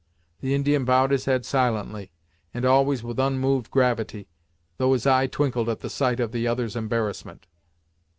The Indian bowed his head silently, and always with unmoved gravity, though his eye twinkled at the sight of the other's embarrassment.